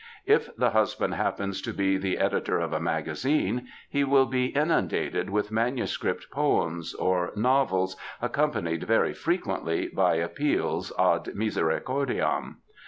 If the husband happens to be the editor of a magazine he will be inundated with manuscript poems or novels, accompanied very frequently by appeals ad misericordiam.